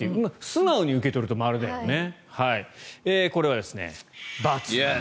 素直に受け取ると〇だよね。